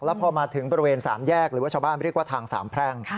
แล้วพอมาถึงบริเวณ๓แยกหรือว่าชาวบ้านเรียกว่าทางสามแพร่ง